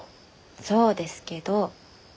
そうですけど。